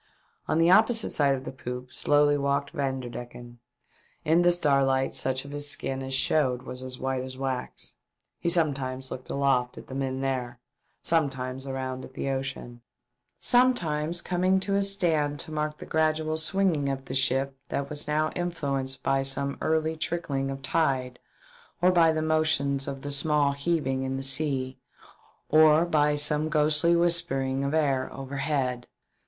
On the opposite side of the poop slowly walked Vanderdecken ; in the starlight such WE BRING Ur IX A CAV. 47 1 of his skin as showed was as white as wax ; he sometimes looked aloft at the men there, sometimes around at the ocean, sometimes coming to a stand to mark the gradual swing ing of the ship that was now influenced by some early trickling of tide or by the motions of the small heaving in the sea, or by some ghostly whisperings of air overhead.